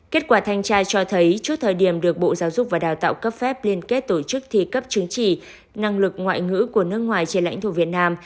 kết quả thanh tra cho thấy trước thời điểm được bộ giáo dục và đào tạo cấp phép liên kết tổ chức thi cấp chứng chỉ năng lực ngoại ngữ của nước ngoài trên lãnh thổ việt nam